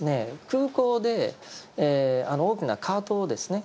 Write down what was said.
空港で大きなカートをですね